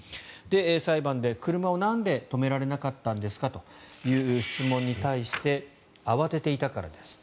裁判で車を、なんで止められなかったんですかという質問に対して慌てていたからです。